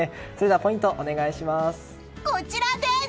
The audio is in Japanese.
ポイント、お願いします。